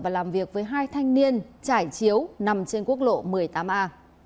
và làm việc với hai thanh niên trải chiếu nằm trên quốc lộ một mươi tám a